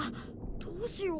どうしよう。